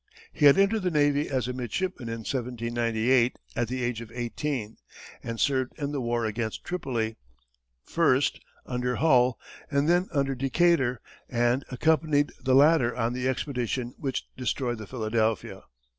He had entered the navy as midshipman in 1798, at the age of eighteen, and served in the war against Tripoli, first under Hull and then under Decatur, and accompanied the latter on the expedition which destroyed the Philadelphia.